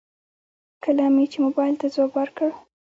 کله مې چې موبايل ته ځواب وکړ.